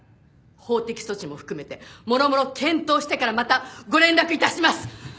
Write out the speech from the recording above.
法的措置も含めてもろもろ検討してからまたご連絡致します！